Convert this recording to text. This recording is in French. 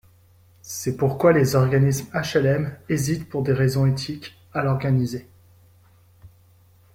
C’est pourquoi les organismes HLM hésitent, pour des raisons éthiques, à l’organiser.